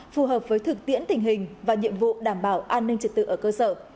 phù hợp với thực tiễn tình hình và nhiệm vụ đảm bảo an ninh trật tự ở cơ sở